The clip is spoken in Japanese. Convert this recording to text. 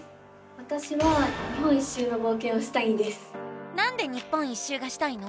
わたしはなんで日本一周がしたいの？